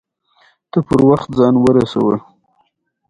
افغانستان کې د بامیان په اړه زده کړه کېږي.